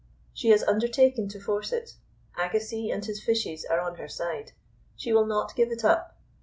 She has undertaken to force it. Agassiz and his fishes are on her side. She will not give it up.